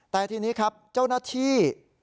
แต่ทีนี้ครับเจ้าหน้าที่